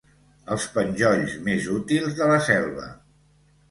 Els penjolls més útils de la selva.